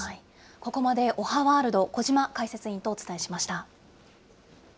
ここまでおはワールド、小島解説委員とお伝えしました。